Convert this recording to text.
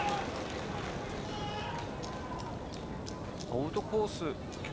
アウトコース。